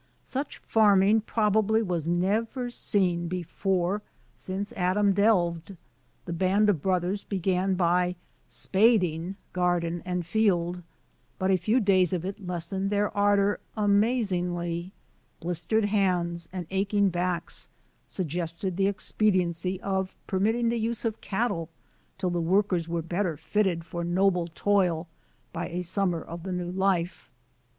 Such farming probably was never seen before since Adam delved. The band of brothers began by spading garden and field ; but a few days of it lessened their ardor amazingly. Blistered hands and aching backs suggested the expediency of permitting the use of cattle till the workers were better fitted for noble toil by a summer of the new life.